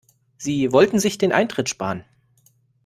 Sie wollten sich den Eintritt sparen.